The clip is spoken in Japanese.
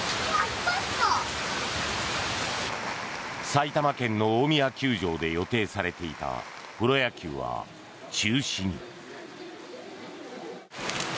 埼玉県の大宮球場で予定されていたプロ野球は中止に。